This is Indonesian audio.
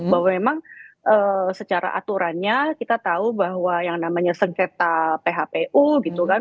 bahwa memang secara aturannya kita tahu bahwa yang namanya sengketa phpu gitu kan